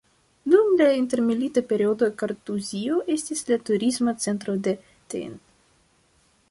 Dum la intermilita periodo Kartuzio estis la Turisma Centro de tn.